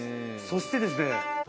そしてですね